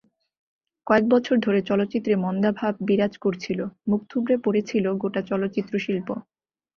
কয়েক বছর ধরে চলচ্চিত্রে মন্দাভাব বিরাজ করছিল, মুখ থুবড়ে পড়েছিল গোটা চলচ্চিত্রশিল্প।